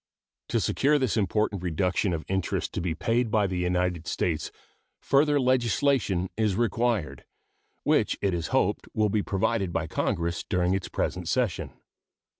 To secure this important reduction of interest to be paid by the United States further legislation is required, which it is hoped will be provided by Congress during its present session.